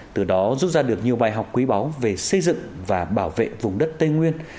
từ đó rút ra được nhiều bài học quý báu về xây dựng và bảo vệ vùng đất tây nguyên